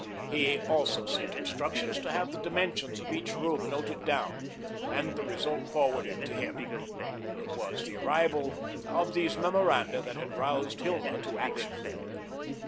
He also sent instructions to have the dimensions of each room noted down and the result forwarded to him. It was the arrival of these memoranda that had roused Hilma to action.